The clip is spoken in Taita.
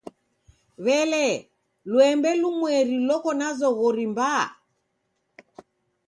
W'ele, lwembe lumweri loko na zoghori mbaa?